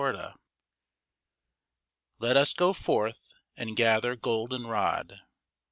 D. ■ ET us go forth and gather golden rod